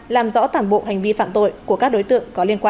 làm rõ toàn bộ hành vi phạm tội của các đối tượng có liên quan